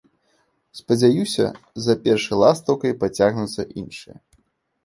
Спадзяюся, за першай ластаўкай пацягнуцца іншыя.